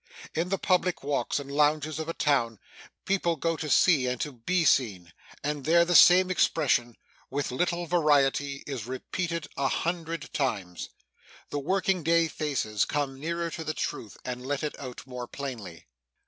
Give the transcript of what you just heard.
In the public walks and lounges of a town, people go to see and to be seen, and there the same expression, with little variety, is repeated a hundred times. The working day faces come nearer to the truth, and let it out more plainly.